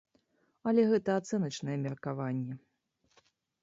Але гэта ацэначнае меркаванне.